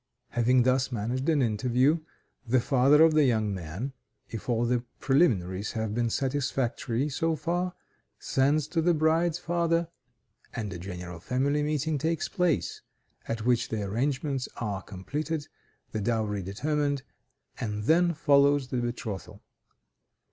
Having thus managed an interview, the father of the young man, if all the preliminaries have been satisfactory so far, sends to the bride's father, and a general family meeting takes place, at which the arrangements are completed, the dowry determined, and then follows the betrothal.